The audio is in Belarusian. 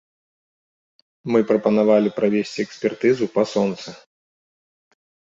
Мы прапанавалі правесці экспертызу па сонцы.